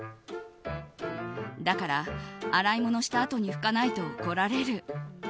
だから、洗い物をしたあとに拭かないと怒られる。